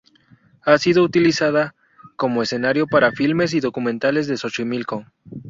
Ha sido utilizada como escenario para filmes y documentales de Xochimilco.